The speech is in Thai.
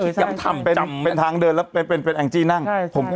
คิดยังทำจำเป็นทางเดินแล้วเป็นเป็นเป็นแองจี้นั่งใช่ผมก็นั่งอยู่